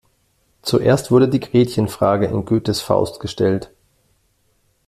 Zuerst wurde die Gretchenfrage in Goethes Faust gestellt.